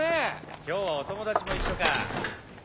今日はお友達も一緒か。